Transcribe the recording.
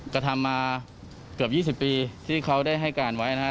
กระทำมาเกือบ๒๐ปีที่เขาได้ให้การไว้นะครับ